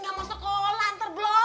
nggak mau sekolah terblon